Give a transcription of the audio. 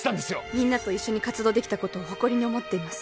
みんなと一緒に活動できたことを誇りに思っています